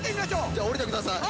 「じゃあ下りてください」